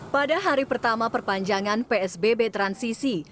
pada hari pertama perpanjangan psbb transisi